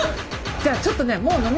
じゃあちょっとねうん？